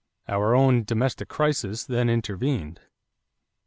Our own domestic crisis then intervened.